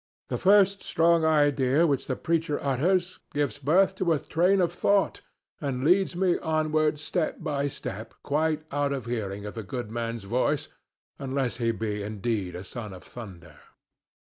The first strong idea which the preacher utters gives birth to a train of thought and leads me onward step by step quite out of hearing of the good man's voice unless he be indeed a son of thunder.